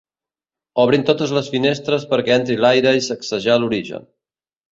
Obrin totes les finestres perquè entri l'aire i sacsejar l'origen.